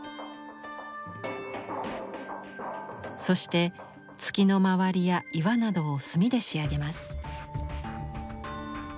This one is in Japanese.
そして月の周りや岩などを墨で仕上げます。